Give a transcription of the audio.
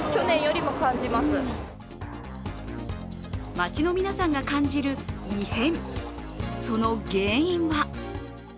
街の皆さんが感じる異変。